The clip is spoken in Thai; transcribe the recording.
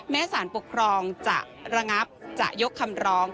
สารปกครองจะระงับจะยกคำร้อง